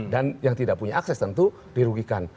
dan yang tidak punya akses tentu dirugikan